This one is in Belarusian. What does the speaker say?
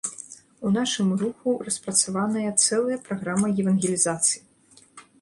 У нашым руху распрацаваная цэлая праграма евангелізацыі.